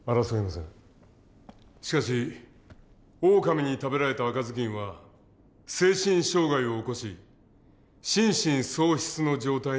しかしオオカミに食べられた赤ずきんは精神障害を起こし心神喪失の状態にありました。